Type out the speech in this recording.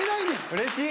うれしい。